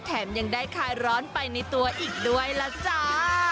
แถมยังได้คลายร้อนไปในตัวอีกด้วยล่ะจ้า